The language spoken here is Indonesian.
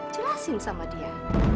jelasin sama dia